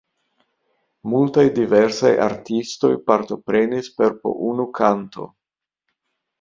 Multaj diversaj artistoj partoprenis per po unu kanto.